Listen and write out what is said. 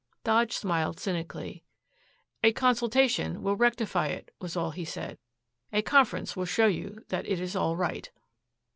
Dodge smiled cynically. "A consultation, will rectify it," was all he said. "A conference will show you that it is all right."